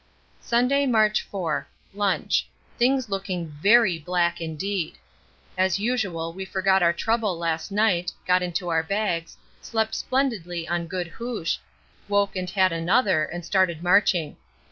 Sunday, March 4. Lunch. Things looking very black indeed. As usual we forgot our trouble last night, got into our bags, slept splendidly on good hoosh, woke and had another, and started marching.